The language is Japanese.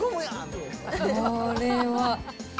これは。